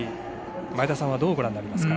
前田さんはどうご覧になりますか。